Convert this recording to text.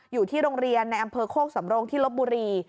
อยู่ที่โรงเรียนในอำเภอโคกสำรงที่ลบบุรี